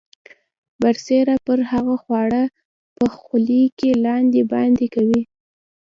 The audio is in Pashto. برسیره پر هغه خواړه په خولې کې لاندې باندې کوي.